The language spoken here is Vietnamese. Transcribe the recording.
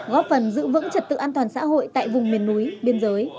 góp phần giữ vững trật tự an toàn xã hội tại vùng miền núi biên giới